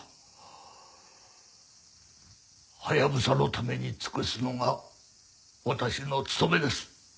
ハヤブサのために尽くすのが私の務めです。